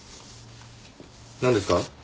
なんですか？